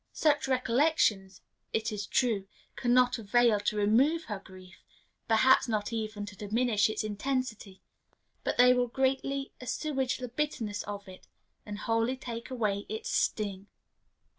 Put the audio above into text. Such recollections, it is true, can not avail to remove her grief perhaps not even to diminish its intensity; but they will greatly assuage the bitterness of it, and wholly take away its sting.